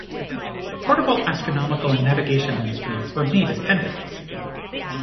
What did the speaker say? Portable astronomical and navigational instruments were made as pendants.